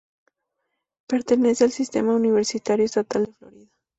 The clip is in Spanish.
Pertenece al sistema universitario estatal de Florida.